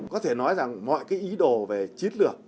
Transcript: có thể nói rằng mọi cái ý đồ về chiến lược